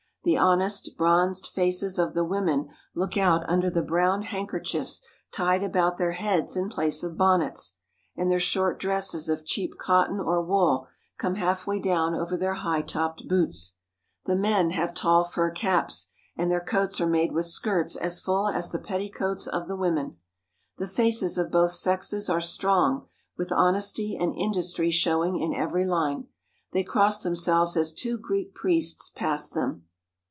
The honest bronzed faces of the women look out under the brown 86 EASTER IN JERUSALEM handkerchiefs tied about their heads in place of bonnets, and their short dresses of cheap cotton or wool come half way down over their high topped boots. The men have tall fur caps, and their coats are made with skirts as full as the petticoats of the women. The faces of both sexes are strong, with honesty and industry showing in every line. They cross themselves as two Greek priests pass them.